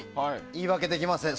言い訳できません。